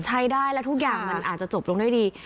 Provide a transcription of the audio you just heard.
ใช้ได้แล้วทุกอย่างมันอาจจะจบลงด้วยดี